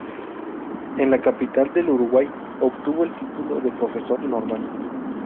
En la capital del Uruguay obtuvo el título de profesor normal.